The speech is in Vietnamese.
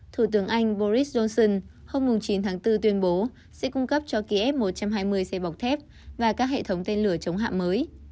thủ tướng anh boris johnson hôm chín tháng bốn tuyên bố sẽ cung cấp cho kiev một trăm hai mươi xe bọc thép và các hệ thống tên lửa chống hạ mới